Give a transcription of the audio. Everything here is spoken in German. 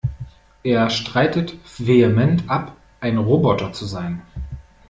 Er streitet vehement ab, ein Roboter zu sein.